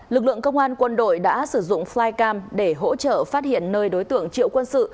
lực lượng công an quân đội đã sử dụng flycam để hỗ trợ phát hiện nơi đối tượng triệu quân sự